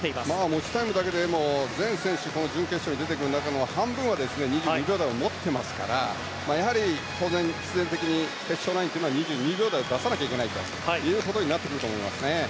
持ちタイムだけでも全選手この準決勝に出てくる中の半分は２２秒台を持ってますからやはり当然、必然的に決勝ラインというのは２２秒台を出さなきゃいけないということになってくると思います。